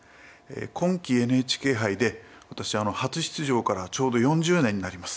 今期ＮＨＫ杯で私初出場からちょうど４０年になります。